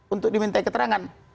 untuk diminta keterangan